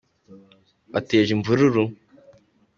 Wateje imvururu